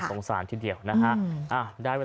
สงสารทีเดียวนะฮะ